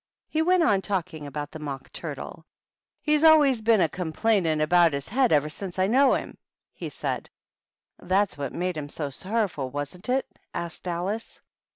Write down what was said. He went on talking about the Mock THE BISHOPS. 185 Turtle. "He's always been a complainin' about his head ever since I know him/' he said. "That's what made him so sorrowful, wasn't it?" asked Alice.